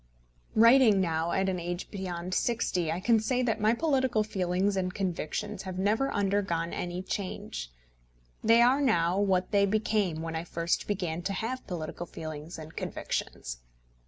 Writing now at an age beyond sixty, I can say that my political feelings and convictions have never undergone any change. They are now what they became when I first began to have political feelings and convictions.